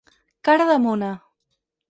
Cara de mona.